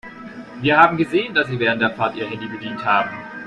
Wir haben gesehen, dass Sie während der Fahrt Ihr Handy bedient haben.